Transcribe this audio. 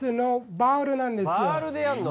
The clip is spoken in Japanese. バールでやるの？